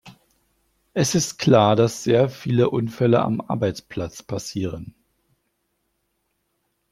Es ist klar, dass sehr viele Unfälle am Arbeitsplatz passieren.